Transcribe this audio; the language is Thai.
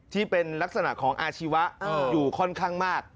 ที่เป็นลักษณะของอาชีวะอยู่ค่อนข้างมาก